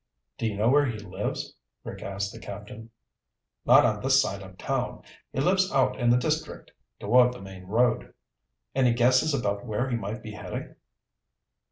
"Do you know where he lives?" Rick asked the captain. "Not on this side of town. He lives out in the district toward the main road." "Any guesses about where he might be heading?"